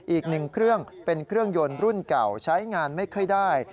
อีกหนึ่งเครื่องเป็นเครื่องยนต์รุ่นเก่าใช้งานไม่ค่อยได้